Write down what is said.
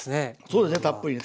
そうですねたっぷりね。